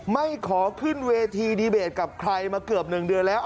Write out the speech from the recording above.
ไม่ขอขึ้นเวทีดีเบตกับใครมาเกือบ๑เดือนแล้ว